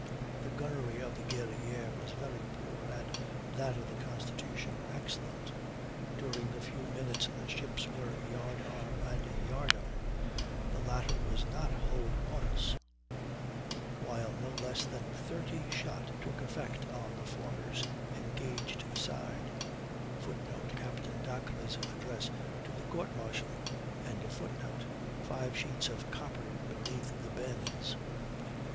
The gunnery of the Guerrière was very poor, and that of the Constitution excellent; during the few minutes the ships were yard arm and yard arm; the latter was not hulled once, while no less than 30 shot took effect on the former's engaged side, [Footnote: Captain Dacres' address to the court martial.] five sheets of copper beneath the bends.